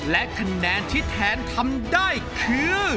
และคะแนนที่แทนทำได้คือ